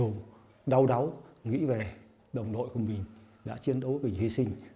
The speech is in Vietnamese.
chúng tôi đã từng chiến đấu nghĩ về đồng đội của mình đã chiến đấu với bình hy sinh